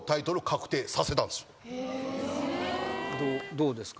どうですか？